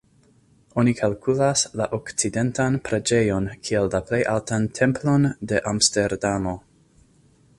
Oni kalkulas la Okcidentan preĝejon kiel la plej altan templon de Amsterdamo.